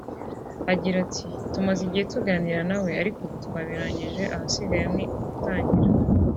Agira ati “Tumaze igihe tuganira na we ariko ubu twabirangije ahasigaye ni ugutangira